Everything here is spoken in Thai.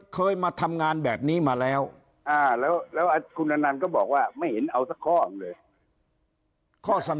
เคยมาทำงานแบบนี้มาแล้วอ่าแล้วแล้วคุณนานานก็บอกว่าไม่เห็น